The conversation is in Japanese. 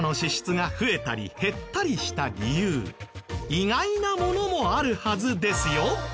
意外なものもあるはずですよ。